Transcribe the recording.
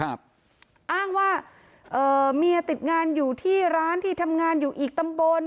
อ้างว่าเมียติดงานอยู่ที่ร้านที่ทำงานอยู่อีกตำบล